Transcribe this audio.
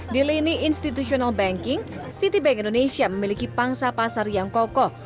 di lini institutional banking city bank indonesia memiliki pangsa pasar yang kokoh